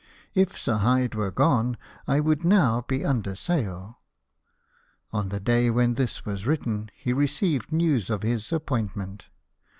If Sir Hyde were gone, I would now be under sail." On the day when this was written he received news of his appointment.